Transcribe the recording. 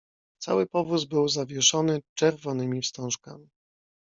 "Cały powóz był zawieszony czerwonymi wstążkami."